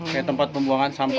kayak tempat pembuangan sampah